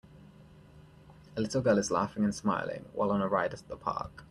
A little girl is laughing and smiling while on a ride at the park.